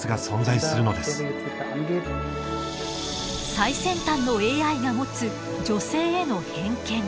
最先端のＡＩが持つ女性への偏見。